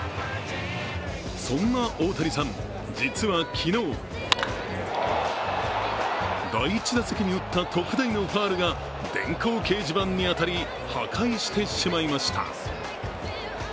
そんな、大谷さん、実は昨日第１打席に打った特大のファウルが電光掲示板に当たり破壊してしまいました。